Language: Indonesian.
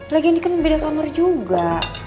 lagi ini kan beda kamar juga